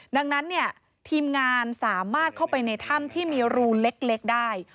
ดังนั้นเนี่ยทีมงานสามารถเข้าไปในถ้ำที่มีรูเล็กได้